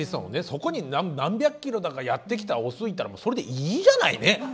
そこに何百キロだかやって来たオスいたらもうそれでいいじゃないね。